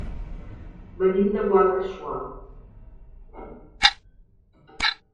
Venim de Guadassuar.